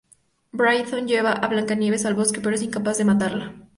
Brighton lleva a Blancanieves al bosque, pero es incapaz de matarla.